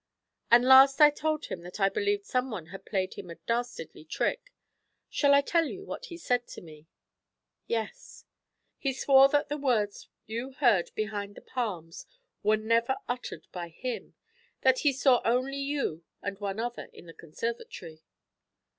'And last I told him that I believed someone had played him a dastardly trick. Shall I tell you what he said to me?' 'Yes.' 'He swore that the words you heard behind the palms were never uttered by him; that he saw only you and one other in the conservatory.'